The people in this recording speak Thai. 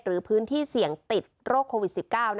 หรือพื้นที่เสี่ยงติดโรคโควิด๑๙